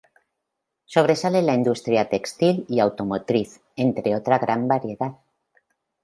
Sobresale la industria textil y automotriz, entre otra gran variedad.